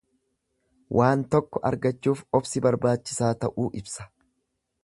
Waan tokko argachuuf obsi barbaachisaa ta'uu ibsa.